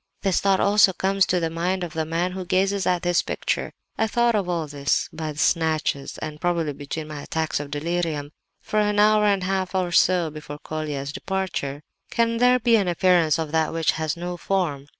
This thought also comes into the mind of the man who gazes at this picture. I thought of all this by snatches probably between my attacks of delirium—for an hour and a half or so before Colia's departure. "Can there be an appearance of that which has no form?